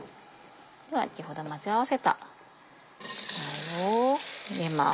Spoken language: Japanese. では先ほど混ぜ合わせたものを入れます。